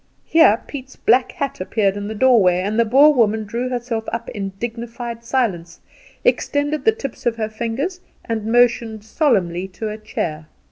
Here Piet's black hat appeared in the doorway, and the Boer woman drew herself up in dignified silence, extended the tips of her fingers, and motioned solemnly to a chair.